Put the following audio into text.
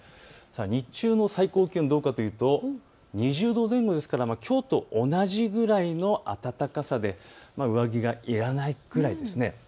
日中の最高気温はどうかというと２０度前後ですからきょうと同じくらいの暖かさで上着がいらないくらいですね。